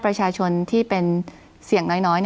ประชาชนที่เป็นเสี่ยงน้อย